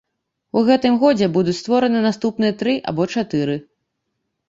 У гэтым годзе будуць створаны наступныя тры або чатыры.